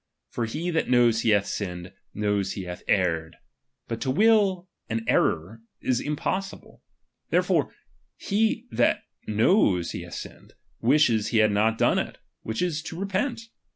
For he that knows he hath sinned, knows he hath erred ; but to will an error, is impossible ; therefore he that knows he hath sinned, wishes he had not done it ; which is to repent.